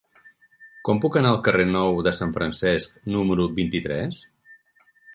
Com puc anar al carrer Nou de Sant Francesc número vint-i-tres?